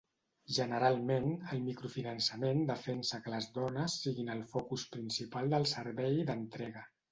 Generalment, el micro-finançament defensa que les dones siguin el focus principal del servei d'entrega.